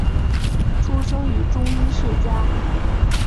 出生于中医世家。